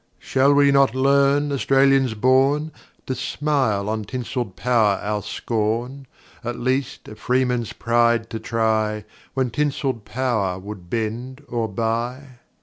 Shall we not learn, Australians born! To smile on tinselled power our scorn,—At least, a freeman's pride to try, When tinselled power would bend or buy?